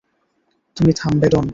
তুমি থামবে ডন।